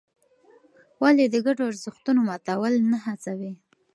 ولې د ګډو ارزښتونو ماتول مه هڅوې؟